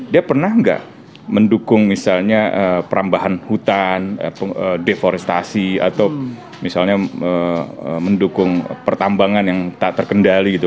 dia pernah nggak mendukung misalnya perambahan hutan deforestasi atau misalnya mendukung pertambangan yang tak terkendali gitu